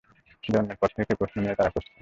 জন্মের পর থেকেই, প্রশ্ন নিয়ে তাড়া করছে।